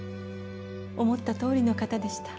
思ったとおりの方でした。